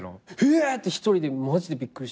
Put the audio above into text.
「え！」って１人でマジでびっくりして。